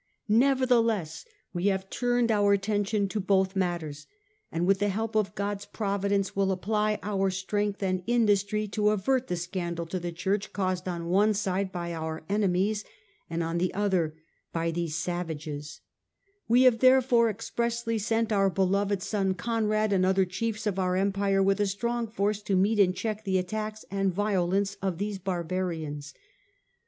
" Nevertheless, we have turned our attention to both matters ; and with the help of God's providence, will apply our strength and industry to avert the scandal to the Church caused on one side by our enemies, and on the other by these savages ; we have therefore expressly sent our beloved son Conrad and other chiefs of our Empire with a strong force to meet and check the attacks and violence of these barbarians.